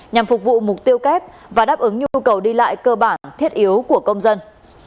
nhằm phục vụ mục tiêu kép và đáp ứng nhu cầu đi lại cơ bản thiết yếu của công dân